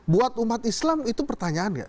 buat umat islam itu pertanyaan nggak